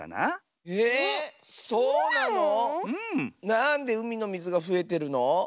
なんでうみのみずがふえてるの？